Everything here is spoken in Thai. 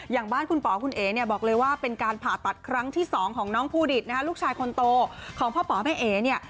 อย่างบ้านคุณป๋อคุณเอ๋เนี่ยบอกเลยว่าเป็นการผ่าตัดครั้งที่๒ของน้องภูดิตนะฮะลูกชายคนโตของพ่อป๋อแม่เอ๋เนี่ย